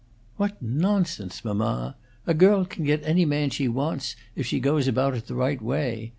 "What nonsense, mamma! A girl can get any man she wants, if she goes about it the right way.